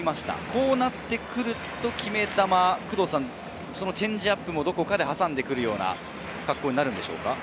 こうなってくると決め球は、チェンジアップもどこかで挟んでくるんでしょうか？